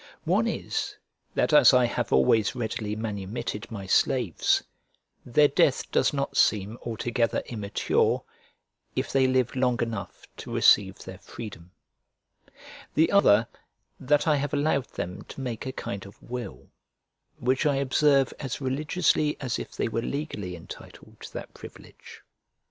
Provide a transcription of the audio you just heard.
One is, that as I have always readily manumitted my slaves, their death does not seem altogether immature, if they lived long enough to receive their freedom: the other, that I have allowed them to make a kind of will, which I observe as religiously as if they were legally entitled to that privilege.